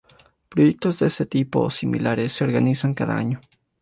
Proyectos de ese tipo o similares se organizan cada año.